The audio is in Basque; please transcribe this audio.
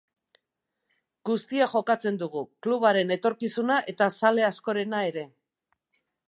Guztia jokatzen dugu, klubaren etorkizuna eta zale askorena ere.